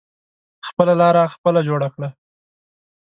خپله لاره خپله جوړه کړی.